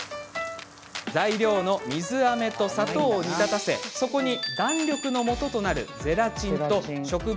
材料の水あめと砂糖を煮立たせそこに弾力のもととなるゼラチンと植物